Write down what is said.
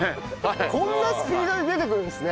こんなスピードで出てくるんですね。